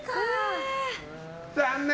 残念！